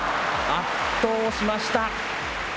圧倒しました。